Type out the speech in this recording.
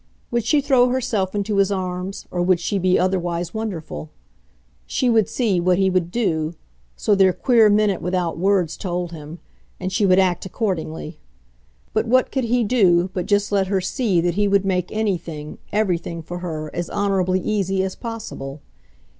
Would she throw herself into his arms, or would she be otherwise wonderful? She would see what he would do so their queer minute without words told him; and she would act accordingly. But what could he do but just let her see that he would make anything, everything, for her, as honourably easy as possible?